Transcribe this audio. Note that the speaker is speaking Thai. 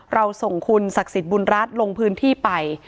เราส่งคุณศักดิ์สิทธิ์บุญรัฐลงพื้นที่ไป